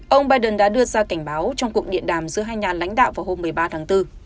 ông biden đã đưa ra cảnh báo trong cuộc điện đàm giữa hai nhà lãnh đạo vào hôm một mươi ba tháng bốn